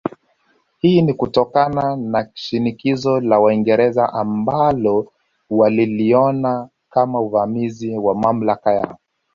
Hii ni kutokana na shinikizo la Waingereza ambalo waliliona kama uvamizi wa mamlaka yao